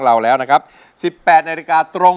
ร้องได้ที่ล้าน